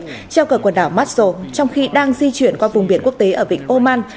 treo cờ quần đảo massag trong khi đang di chuyển qua vùng biển quốc tế ở vịnh oman